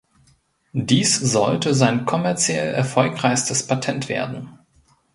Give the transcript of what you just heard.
Dies sollte sein kommerziell erfolgreichstes Patent werden.